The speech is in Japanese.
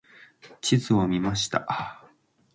地図を見ました。